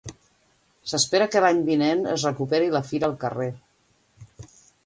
S'espera que l'any vinent es recuperi la fira al carrer.